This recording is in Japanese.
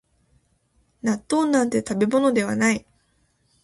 納豆なんて食べ物ではない